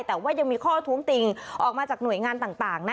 แต่ว่ายังมีข้อท้วงติงออกมาจากหน่วยงานต่างนะ